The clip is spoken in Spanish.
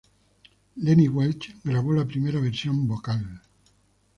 Lenny Welch grabó la primera versión vocal.